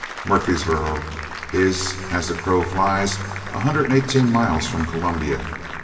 Murfreesboro is, as the crow flies, a hundred and eighteen miles from Columbia.